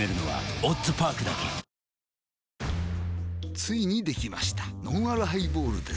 ついにできましたのんあるハイボールです